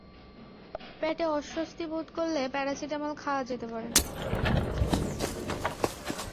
পেটে অস্বস্তি বোধ করলে প্যারাসিটামল খাওয়া যেতে পারে।